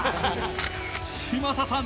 嶋佐さん